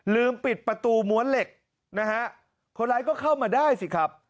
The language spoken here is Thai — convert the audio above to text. ปิดประตูม้วนเหล็กนะฮะคนร้ายก็เข้ามาได้สิครับ